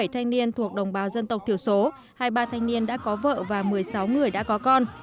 bảy trăm bảy mươi bảy thanh niên thuộc đồng bào dân tộc thiểu số hai mươi ba thanh niên đã có vợ và một mươi sáu người đã có con